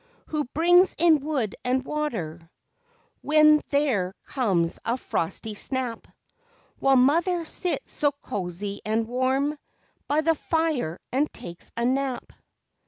Who brings in wood and water LIFE WAVES 51 When there comes a frosty snap, While mother sits so cozy and warm By the fire and takes a nap?